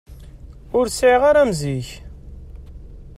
Ur sεiɣ ara am zik.